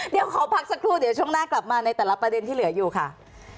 เดี๋ยวขอพักสักครู่เดี๋ยวช่วงหน้ากลับมาในแต่ละประเด็นที่เหลืออยู่ค่ะ